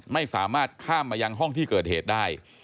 ไม่สามารถข้ามมายังห้องที่เกิดเหตุได้